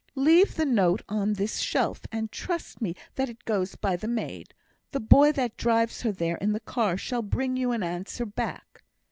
"Leave the note on this shelf, and trust me that it goes by the maid. The boy that drives her there in the car shall bring you an answer back."